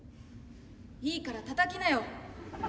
いいからたたきなよ。